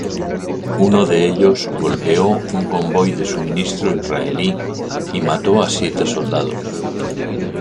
Uno de ellos golpeó un convoy de suministro israelí y mató a siete soldados.